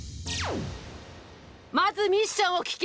まずミッションを聞け！